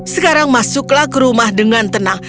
sekarang masuklah ke rumah dengan tenang